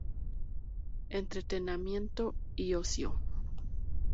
Entretenimiento y ocio.